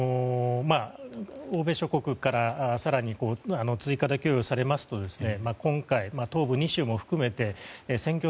欧米諸国から更に追加で供与されますと今回、東部２州も含めて戦況